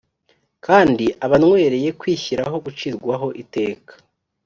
kandi aba anywereye kwishyiraho gucirwaho iteka: